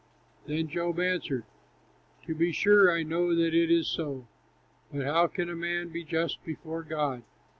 Then Job answered: "To be sure, I know that it is so; But how can a man be just before God?